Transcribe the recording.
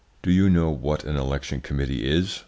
"Do you know what an election committee is?"